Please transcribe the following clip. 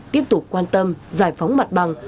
tiếp tục quan tâm giải phóng mặt bằng